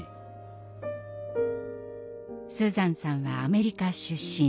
スーザンさんはアメリカ出身。